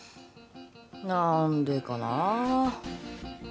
何でかなぁ？